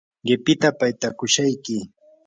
qipita paytakushayki.